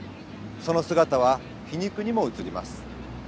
その姿は皮肉にも映ります。